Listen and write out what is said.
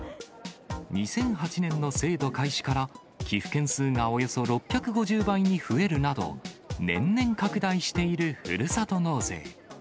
２００８年の制度開始から、寄付件数がおよそ６５０倍に増えるなど、年々拡大しているふるさと納税。